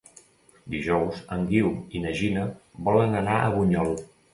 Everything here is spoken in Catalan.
Dijous en Guiu i na Gina volen anar a Bunyol.